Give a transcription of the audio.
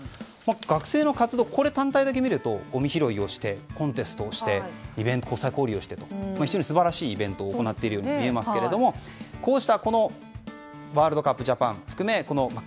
学生の活動、これ単体だけ見るとごみ拾いをしてコンテストをしてイベント、国際交流をしててすばらしいイベントをしているなと思いますけどこうしたワールドカープ・ジャパン含めＣＡＲＰ。